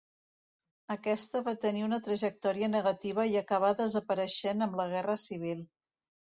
Aquesta va tenir una trajectòria negativa i acabà desapareixent amb la Guerra Civil.